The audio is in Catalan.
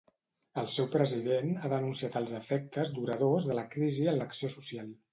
El seu president ha denunciat els efectes duradors de la crisi en l'acció social.